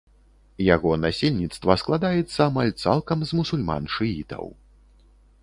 Яго насельніцтва складаецца амаль цалкам з мусульман-шыітаў.